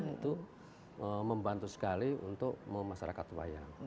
itu membantu sekali untuk memasarakat wayang